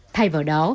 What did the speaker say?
thay vào đó